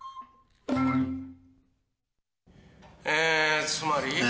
えつまり。